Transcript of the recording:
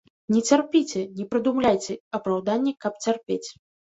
Не цярпіце, не прыдумляйце апраўданні, каб цярпець.